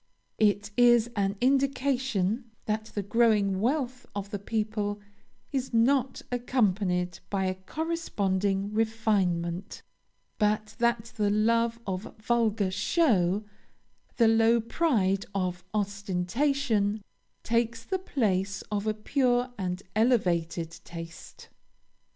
It is an indication that the growing wealth of the people is not accompanied by a corresponding refinement; but that the love of vulgar show, the low pride of ostentation, takes the place of a pure and elevated taste.